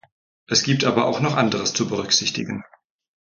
Es gibt aber auch noch anderes zu berücksichtigen.